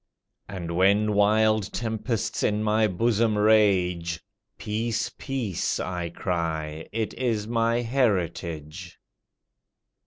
And when wild tempests in my bosom rage, "Peace, peace," I cry, "it is my heritage."